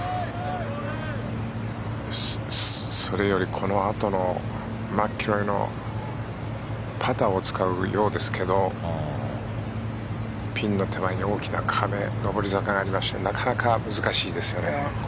それよりこのあとのマキロイのパターを使うようですけどピンの手前に大きな壁上り坂がありましてなかなか難しいですよね。